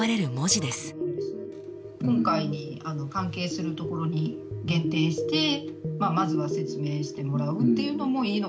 「今回に関係するところに限定してまずは説明してもらうっていうのもいいのかなと思いました」。